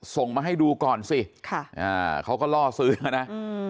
ส่งมาให้ดูก่อนสิค่ะอ่าเขาก็ล่อซื้อมานะอืม